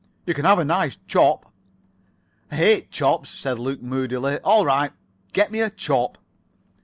You can have a nice chop." "I hate chops," said Luke moodily. "All right, get me a chop."